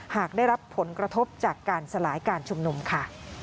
หากได้รับผลกระทบจากการสลายการชุมนุมค่ะ